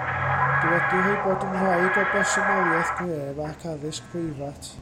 Dywedir ei bod yn wraig o bersonoliaeth gref ac addysg breifat.